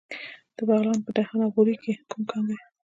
د بغلان په دهنه غوري کې کوم کان دی؟